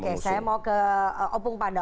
oke saya mau ke opung panda